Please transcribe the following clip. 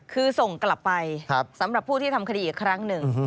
คือส่งกลับไปสำหรับผู้ที่ทำคดีอีกครั้งหนึ่ง